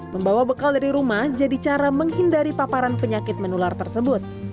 membawa bekal dari rumah jadi cara menghindari paparan penyakit menular tersebut